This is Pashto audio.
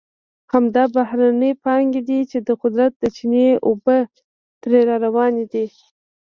همدا بهرنۍ پانګې دي چې د قدرت د چینې اوبه ترې را روانې دي.